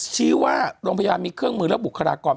ชี้ว่าโรงพยาบาลมีเครื่องมือและบุคลากร